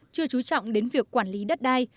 chưa trú trọng đến việc quản lý đất đai